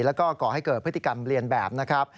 แล้วก็ก่อให้เกิดพฤติกรรมเรียนแบบนะครับ